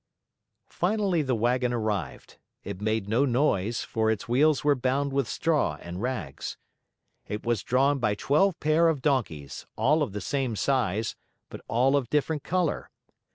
Finally the wagon arrived. It made no noise, for its wheels were bound with straw and rags. It was drawn by twelve pair of donkeys, all of the same size, but all of different color.